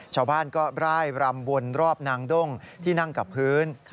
ชาวบ้านก็ร่ายรำวนรอบนางด้งที่นั่งกับพื้น